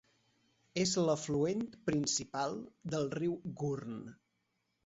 És l'afluent principal del riu Gurn.